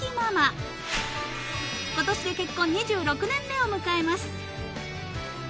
［ことしで結婚２６年目を迎えます］